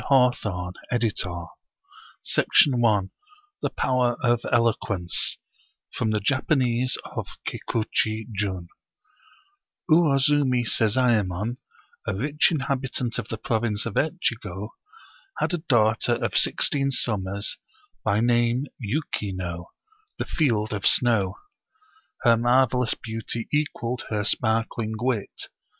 14 Oriental Mystery Stories The Power of Eloquence From the Japanese of Kikuchi Jun UWOZUMI SEZAEMON, a rich inhabttent of the province of Etchigo, had a daughter of sixteen sum mers, by name Yuki no, " the field of snow." Her marvel ous beauty equaled her sparkling wit.